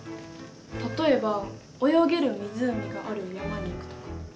例えば泳げる湖がある山に行くとか。